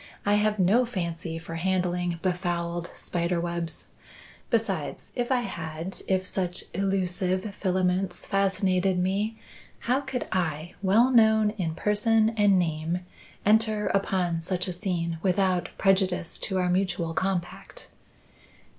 I have no fancy for handling befouled spider webs. Besides, if I had if such elusive filaments fascinated me how could I, well known in person and name, enter upon such a scene without prejudice to our mutual compact?"